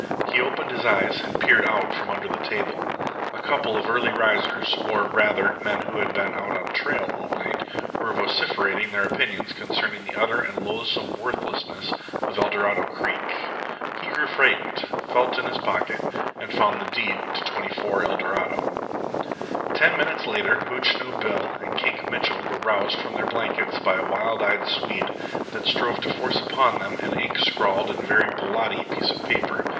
He opened his eyes and peered out from under the table. A couple of early risers, or, rather, men who had been out on trail all night, were vociferating their opinions concerning the utter and loathsome worthlessness of Eldorado Creek. He grew frightened, felt in his pocket, and found the deed to 24 ELDORADO. Ten minutes later Hootchinoo Bill and Kink Mitchell were roused from their blankets by a wild eyed Swede that strove to force upon them an ink scrawled and very blotty piece of paper.